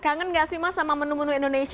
kangen nggak sih mas sama menunggu nunggu ini